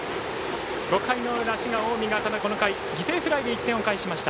５回の裏、滋賀・近江がこの回、犠牲フライで１点を返しました。